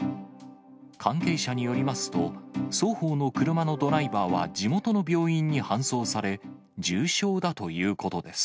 関係者によりますと、双方の車のドライバーは地元の病院に搬送され、重傷だということです。